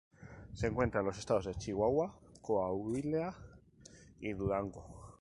Se encuentra en los estados de Chihuahua, Coahuila y Durango.